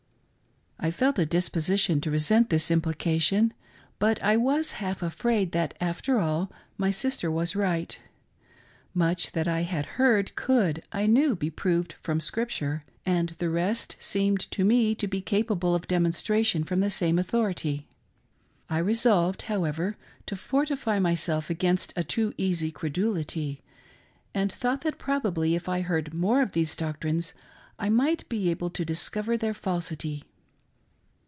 I felt a disposition to resent this implication, but I was half afraid that, after all, my sister was right. Much that I had heard could, I knew, be proved true from Scripture ; and the rest seemed to me to be capable of demonstration from the same authority. I resolved, however, to fortify myself against a too easy credulity, and thought that probably if I heard more of these doqtrines I might be able to discover their falsity.